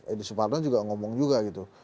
edi suparno juga ngomong juga gitu